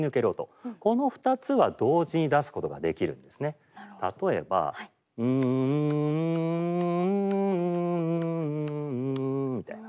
例えば。例えば。みたいな。